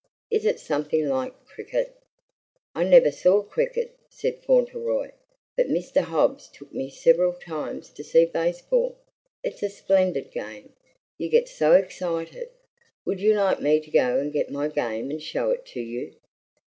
Is it something like cricket?" "I never saw cricket," said Fauntleroy; "but Mr. Hobbs took me several times to see baseball. It's a splendid game. You get so excited! Would you like me to go and get my game and show it to you?